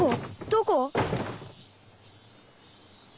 どこ？